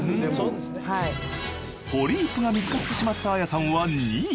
ポリープが見つかってしまったＡＹＡさんは２位。